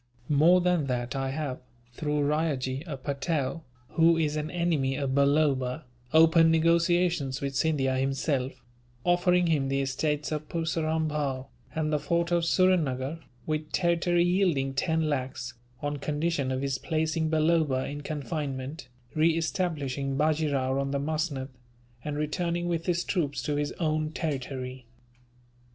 "More than that I have, through Ryajee, a patal, who is an enemy of Balloba, opened negotiations with Scindia himself; offering him the estates of Purseram Bhow, and the fort of Surrenuggar, with territory yielding ten lakhs, on condition of his placing Balloba in confinement, re establishing Bajee Rao on the musnud, and returning with his troops to his own territory.